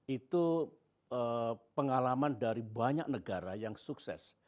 itu pengalaman dari banyak negara yang sukses